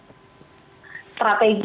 kita perlu bisa melakukan strategi